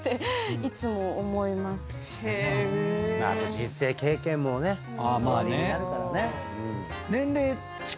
人生経験もねおありになるからね。